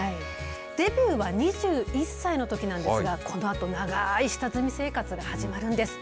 デビューは２１歳のときなんですが、このあと、長い下積み生活が始まるんです。